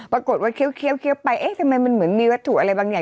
มันให้เขามีสมาธิตอีกครับ